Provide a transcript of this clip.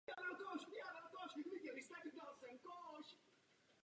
Mezi pěti tanečníky se vytvářejí vztahy.